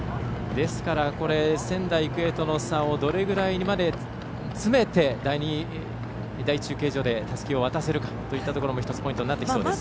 ですから、仙台育英との差をどれぐらいまで詰めて第１中継所でたすきを渡せるかというところも１つ、ポイントになります。